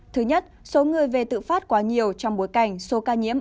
thứ nhất số người về tự phát quá nhiều trong bối cảnh số ca nhiễm